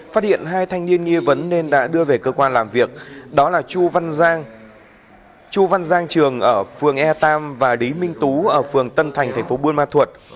phát hiện hai thanh niên nghi vấn nên đã đưa về cơ quan làm việc đó là chu văn giang trường ở phường e ba và đí minh tú ở phường tân thành thành phố buôn ma thuột